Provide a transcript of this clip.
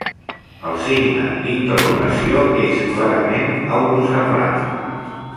El signe d'interrogació és clarament auto-semblant.